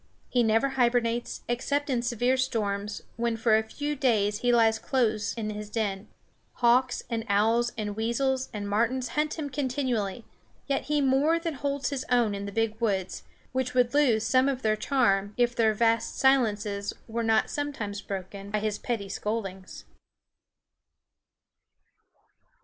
He never hibernates, except in severe storms, when for a few days he lies close in his den. Hawks and owls and weasels and martens hunt him continually; yet he more than holds his own in the big woods, which would lose some of their charm if their vast silences were not sometimes broken by his petty scoldings.